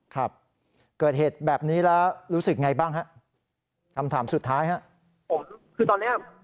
ครับเกิดเหตุแบบนี้แล้วรู้สึกไงบ้างฮะคำถามสุดท้ายฮะคือตอนเนี้ย